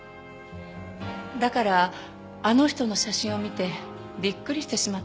だからあの人の写真を見てびっくりしてしまって。